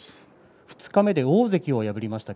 二日目で大関を破りました。